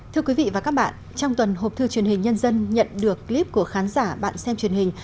thưa quý vị và các bạn trong tuần hộp thư truyền hình nhân dân nhận được clip của khán giả bạn xem truyền hình